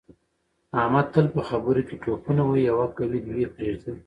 احمد تل په خبروکې ټوپونه وهي یوه کوي دوې پرېږدي.